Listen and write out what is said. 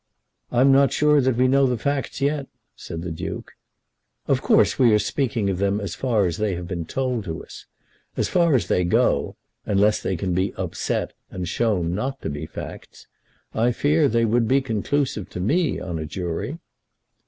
"I'm not sure that we know the facts yet," said the Duke. "Of course we are speaking of them as far as they have been told to us. As far as they go, unless they can be upset and shown not to be facts, I fear they would be conclusive to me on a jury."